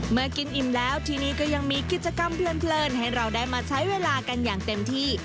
เมื่อกินอิ่มแล้วที่นี่ก็ยังมีกิจกรรมเพลินให้เราได้มาใช้เวลากันอย่างเต็มที่